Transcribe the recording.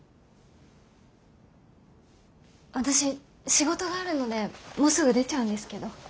私仕事があるのでもうすぐ出ちゃうんですけど。